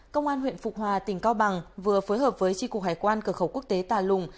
công an huyện phục hòa tỉnh cao bằng vừa phối hợp với tri cục hải quan cửa khẩu quốc tế tà lùng